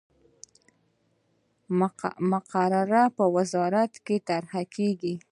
مقرره په وزارت کې طرح کیږي.